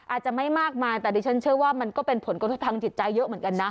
อาจจะไม่มากมายแต่ดิฉันเชื่อว่ามันก็เป็นผลกระทบทางจิตใจเยอะเหมือนกันนะ